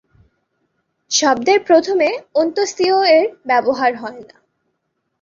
শব্দের প্রথমে য় এর ব্যবহার হয়না।